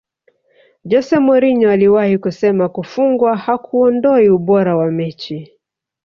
jose mourinho aliwahi kusema kufungwa hakuondoi ubora wa mechi